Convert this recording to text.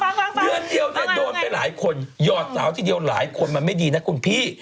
จะฟังมั้ยเนื้อเดียวโดนไปหลายคนย่อเตาที่เดียวหลายคนมันไม่ดีนะคุณพี่